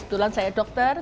sebetulan saya dokter